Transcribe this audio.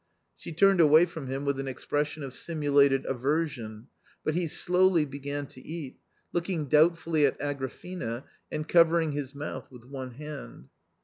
She turned away from him with an expression of simulated aversion, but he slowly began to eat, looking doubtfully at Agrafena and covering his mouth with one hand.